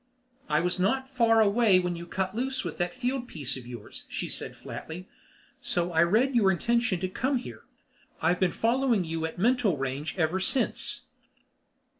"I was not far away when you cut loose with that field piece of yours," she said flatly. "So I read your intention to come here. I've been following you at mental range ever since."